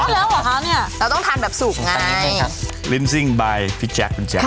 แล้วหรอคะเนี่ยเราต้องทานแบบสูบไงครับลิมซิ่งบายพี่แจ๊คคุณแจ๊ค